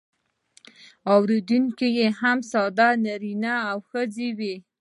اوریدونکي یې هم ساده نارینه او ښځینه وي.